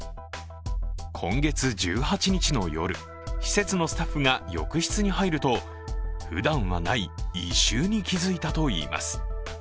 今月１８日の夜、施設のスタッフが浴室に入るとふだんはない異臭に気付いたといいます。